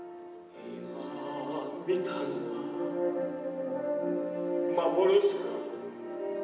「今見たのは」幻か？